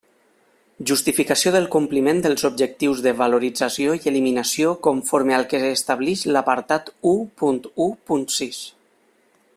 Justificació del compliment dels objectius de valorització i eliminació conforme al que estableix l'apartat u punt u punt sis.